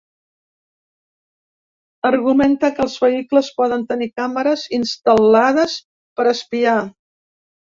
Argumenta que els vehicles poden tenir càmeres instal·lades per espiar.